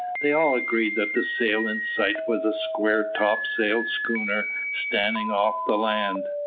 They all agreed that the sail in sight was a square topsail schooner standing off the land.